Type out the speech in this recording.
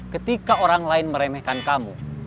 ketika orang lain meremehkan kamu